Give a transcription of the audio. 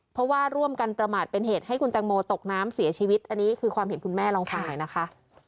เพราะว่าร่วมกันประมาทเป็นเหตุให้คุณแตงโมตกน้ำเสียชีวิตอันนี้คือความเห็นคุณแม่ลองฟังหน่อยนะคะ